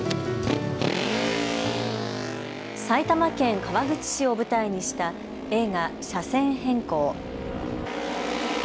埼玉県川口市を舞台にした映画、車線変更。